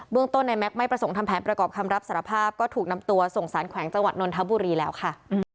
ต้นในแก๊กไม่ประสงค์ทำแผนประกอบคำรับสารภาพก็ถูกนำตัวส่งสารแขวงจังหวัดนนทบุรีแล้วค่ะ